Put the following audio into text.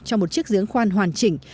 cho một chiếc diếng khoan hoàn chỉnh